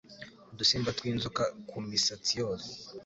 udusimba twinzoka kumisatsi yose